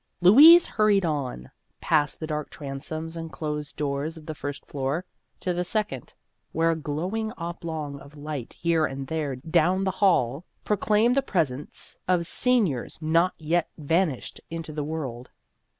Louise hurried on, past the dark transoms and closed doors of the first floor, to the second, where a glowing oblong of light here and there down the hall proclaimed the presence of seniors not yet vanished into the world.